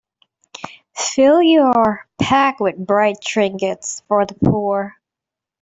Fill your pack with bright trinkets for the poor.